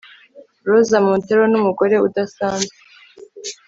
Rosa Montero numugore udasanzwe